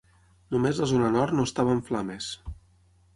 Només la zona nord no estava en flames.